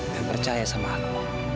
dan percaya sama aku